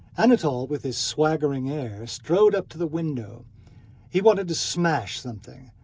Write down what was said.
Anatole with his swaggering air strode up to the window. He wanted to smash something.